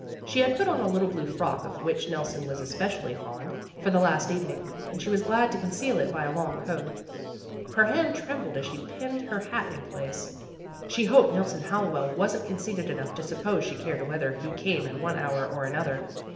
She had put on a little blue frock, of which Nelson was especially fond, for the last evening, and she was glad to conceal it by a long coat. Her hand trembled as she pinned her hat in place. She hoped Nelson Hallowell wasn't conceited enough to suppose she cared whether he came at one hour or another.